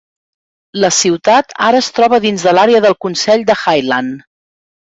La ciutat ara es troba dins de l'àrea del consell de Highland.